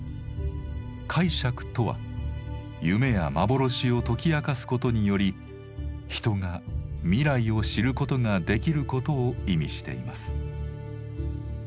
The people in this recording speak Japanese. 「解釈」とは夢や幻を解き明かすことにより人が未来を知ることができることを意味しています。